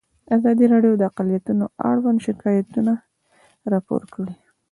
ازادي راډیو د اقلیتونه اړوند شکایتونه راپور کړي.